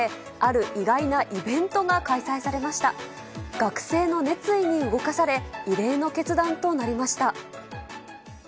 学生の熱意に動かされ、異例の決断となりました。